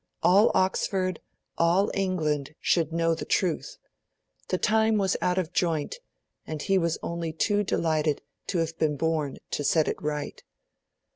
All Oxford, all England, should know the truth. The time was out of joint, and he was only too delighted to have been born to set it right.